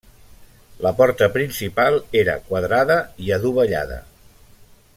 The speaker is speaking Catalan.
La porta principal era quadrada i adovellada.